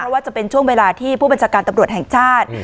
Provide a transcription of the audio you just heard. ว่าจะเป็นช่วงเวลาที่ผู้บัญชาการตำรวจแห่งชาติ